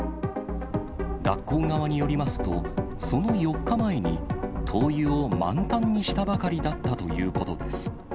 学校側によりますと、その４日前に、灯油を満タンにしたばかりだったということです。